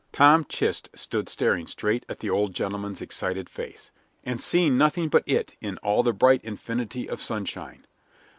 Tom Chist stood staring straight at the old gentleman's excited face, and seeing nothing but it in all the bright infinity of sunshine.